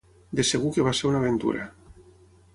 De segur que va ser una aventura.